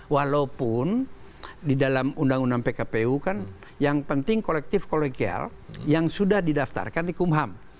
walaupun di dalam undang undang pkpu kan yang penting kolektif kolegial yang sudah didaftarkan di kumham